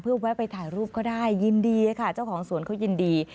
แวะไปถ่ายรูปก็ได้ยินดีค่ะเจ้าของสวนเขายินดี